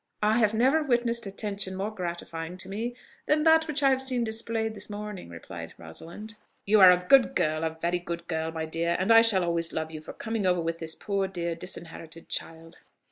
"I have never witnessed attention more gratifying to me than that which I have seen displayed this morning," replied Rosalind. "You are a good girl, a very good girl, my dear, and I shall always love you for coming over with this poor dear disinherited child."